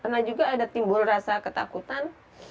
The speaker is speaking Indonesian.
pernah juga ada timbul rasa ketakutan